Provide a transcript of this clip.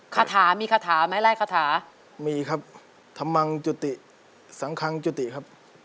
คาถามีคาถาไหมไล่คาถามีครับธรรมังจุติสังคังจุติครับ